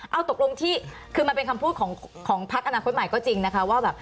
เอาตกลงที่คือมันเป็นคำพูดของพักอนาคตใหม่ก็จริงนะคะว่าแบบ